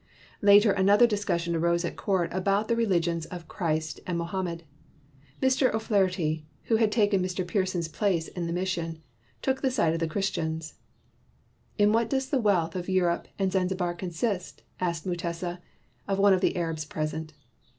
Later another discussion arose at court about the religions of Christ and Moham med. Mr. O 'Flaherty, who had taken Mr. Pearson 's place in the mission, took the side of the Christians. "In what does the wealth of Europe and Zanzibar consist?" asked Mutesa of one of the Arabs present.